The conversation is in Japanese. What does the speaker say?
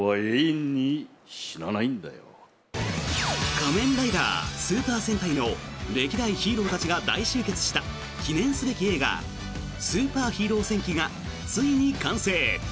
「仮面ライダー」「スーパー戦隊」の歴代ヒーローたちが大集結した記念すべき映画「スーパーヒーロー戦記」がついに完成。